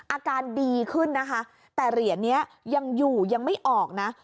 อาการดีขึ้นนะคะแต่เหรียญนี้ยังอยู่ยังไม่ออกนะ